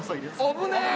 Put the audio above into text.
危ねえ！